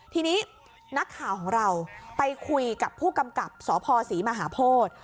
ทีนี้นักข่าวของเราไปคุยกับผู้กำกับสพศรีมหาโพธิ